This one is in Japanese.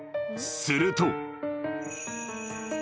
すると。